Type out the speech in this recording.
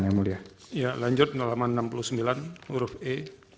ya lanjut nolaman enam puluh sembilan huruf e